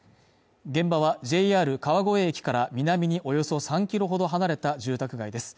現場はＪＲ川越駅から南におよそ３ｋｍほど離れた住宅街です